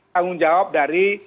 tanggung jawab dari